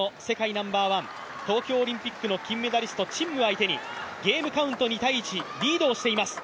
ナンバーワン、東京オリンピック金メダリストの陳夢相手にゲームカウント２−１、リードしています。